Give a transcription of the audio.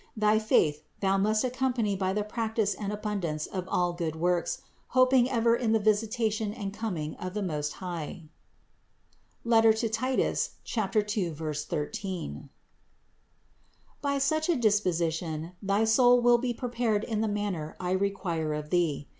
Thy faith thou must ac company by the practice and abundance of all good works, hoping ever in the visitation and coming of the Most High (Tit. 2, 13). 563. By such a disposition thy soul will be prepared in the manner I require of thee.